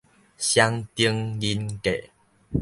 雙重人格